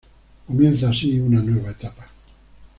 Comienza así una nueva etapa.